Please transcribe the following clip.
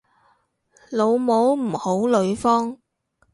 老母唔好呂方